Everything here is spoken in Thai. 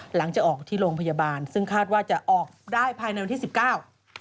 จะออกที่โรงพยาบาลซึ่งคาดว่าจะออกได้ภายในวันที่สิบเก้า